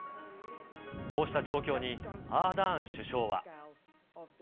こうした状況に、アーダーン首相は。